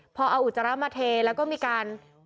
พอเอาอุจจาระมาเทแล้วก็มีการ